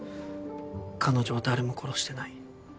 彼女は誰も殺してない。